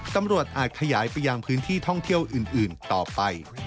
อาจขยายไปยังพื้นที่ท่องเที่ยวอื่นต่อไป